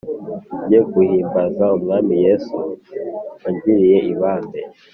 Njye nguhimbaza mwami yesu wangiriye ibambe